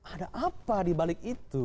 ada apa dibalik itu